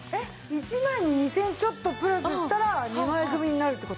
１枚に２０００円ちょっとプラスしたら２枚組になるって事？